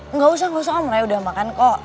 enggak usah enggak usah om raya udah makan kok